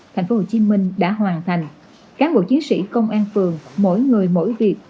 thành phố hồ chí minh đã hoàn thành cán bộ chiến sĩ công an phường mỗi người mỗi việc